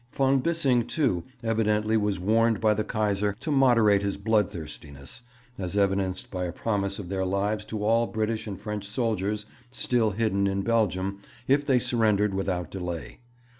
Von Bissing, too, evidently was warned by the Kaiser to moderate his bloodthirstiness, as evidenced by a promise of their lives to all British and French soldiers still hidden in Belgium if they surrendered without delay.